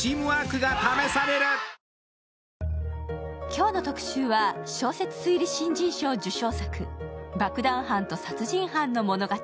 今日の特集は小説推理新人賞受賞作、「爆弾犯と殺人犯の物語」。